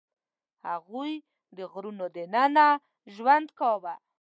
هغوی د غارونو دننه ژوند کاوه.